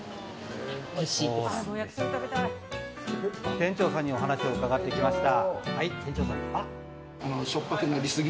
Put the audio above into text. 店長さんにお話を伺ってきました。